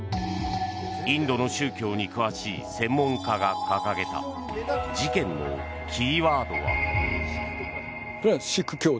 インドの宗教に詳しい専門家が掲げた事件のキーワードは。